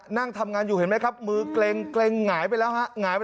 นั่งทำงานอยู่เห็นไหมครับมือเกร็งหงายไปแล้วฮะหงาย